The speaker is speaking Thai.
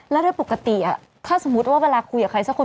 แล้วโดยปกติถ้าสมมุติว่าเวลาคุยกับใครสักคน